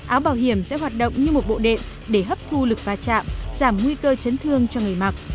áo bảo hiểm sẽ hoạt động như một bộ đệm để hấp thu lực va chạm giảm nguy cơ chấn thương cho người mặc